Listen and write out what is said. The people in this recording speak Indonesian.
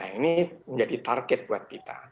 nah ini menjadi target buat kita